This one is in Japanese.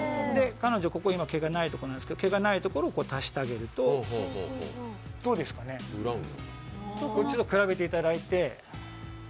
彼女ここ毛がないところなんですけど、毛がないとこを足していただくとどうですかね、こっちと比べていただいて。